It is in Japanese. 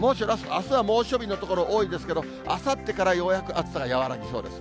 あすは猛暑日の所が多いんですけれども、あさってからようやく暑さが和らぎそうです。